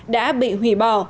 đã bị hủy bỏ